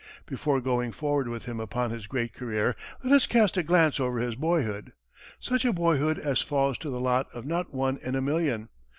Before going forward with him upon his great career, let us cast a glance over his boyhood such a boyhood as falls to the lot of not one in a million.